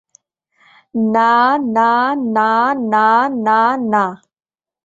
না, না, না, না, না, না।